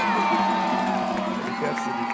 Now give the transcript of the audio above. สวัสดีครับ